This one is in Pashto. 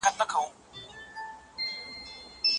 B ګروپ سخت ورزش وکړي.